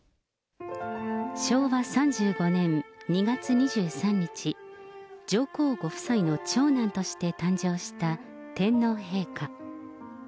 昭和３５年２月２３日、上皇ご夫妻の長男として誕生した天皇陛下。